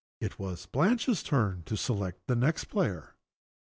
It was Blanche's turn to select the next player.